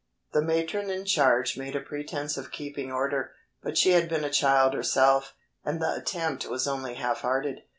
The matron in charge made a pretense of keeping order, but she had been a child herself and the attempt was only half hearted.